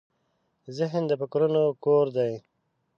ذهن د فکرونو کور دی.